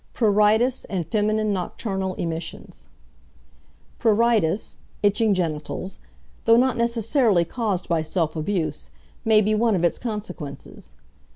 PRURITIS AND FEMININE NOCTURNAL EMISSIONS Pruritis (itching genitals), though not necessarily caused by self abuse, may be one of its consequences.